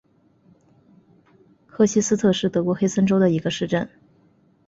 赫希斯特是德国黑森州的一个市镇。